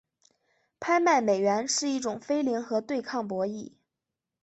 拍卖美元是一种非零和对抗博弈。